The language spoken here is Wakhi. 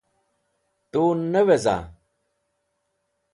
Tu ne weza?